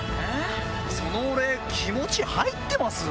そのお礼気持ち入ってます？